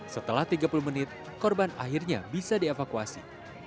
setelah tiga puluh menit korban akhirnya bisa dievakuasi